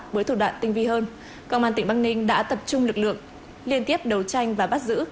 với thủ đoạn tinh vi hơn công an tỉnh băng ninh đã tập trung lực lượng liên tiếp đấu tranh và bắt giữ